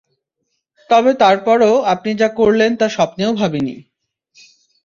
তবে তারপরও আপনি যা করলেন তা স্বপ্নেও ভাবিনি!